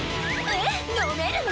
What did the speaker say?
えっ飲めるの？